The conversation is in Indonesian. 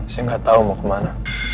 saya gak tau mau kemana